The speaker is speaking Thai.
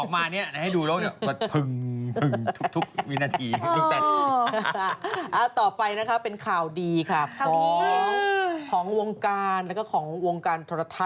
เกรสนะคะแต่วันนี่ก็เป็นพระแล้วค่ะ